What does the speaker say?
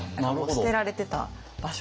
捨てられてた場所で。